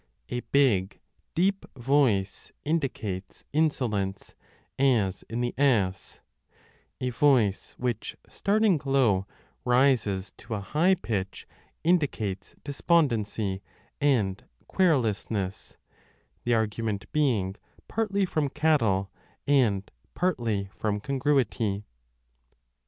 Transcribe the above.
A big, deep voice indicates insolence, as in the ass : a voice which, starting low, rises to a high pitch, indicates despondency and querulousness, the argument being partly 35 from cattle and partly from congruity.